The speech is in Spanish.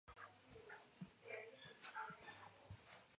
Fácilmente se propagan a partir de esquejes, semillas o división de la raíz.